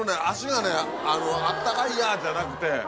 足がねあったかいやじゃなくて。